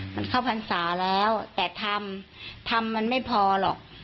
มันเข้าพรรษาแล้วแต่ทำทำมันไม่พอหรอก